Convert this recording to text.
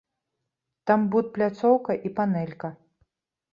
Там будпляцоўка і панэлька.